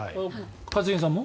一茂さんも？